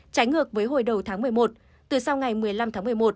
trái ngược với hồi đầu tháng một mươi một từ sau ngày một mươi năm tháng một mươi một